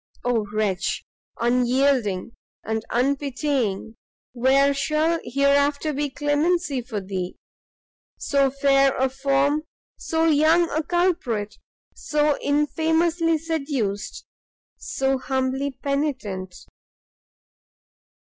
Oh wretch, unyielding and unpitying! where shall hereafter be clemency for thee! So fair a form! so young a culprit! so infamously seduced! so humbly penitent!